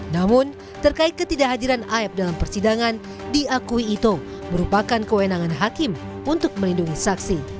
namun terkait ketidakhadiran aep dalam persidangan diakui ito merupakan kewenangan hakim untuk melindungi saksi